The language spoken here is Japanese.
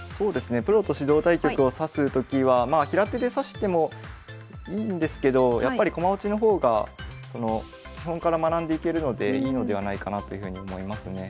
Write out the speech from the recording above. プロと指導対局を指すときはまあ平手で指してもいいんですけどやっぱり駒落ちの方が基本から学んでいけるのでいいのではないかなというふうに思いますね。